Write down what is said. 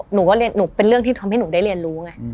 หนูว่าหนูเป็นเรื่องที่ทำให้หนูได้เรียนรู้ไง